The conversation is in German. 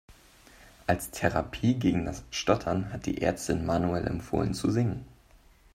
Als Therapie gegen das Stottern hat die Ärztin Manuel empfohlen zu singen.